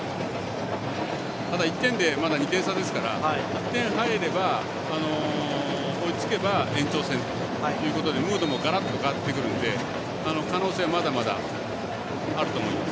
１点で、まだ２点差ですから１点入れば追いつけば、延長戦ということでムードもガラッと変わってくるので可能性まだまだあると思います。